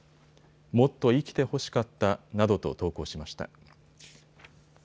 もっと生きてほしかったなどと投稿しました。